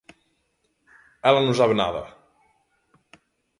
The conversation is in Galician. _Ela non sabe nada...